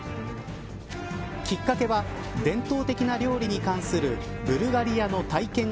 きっかけは伝統的な料理に関するブルガリアの体験型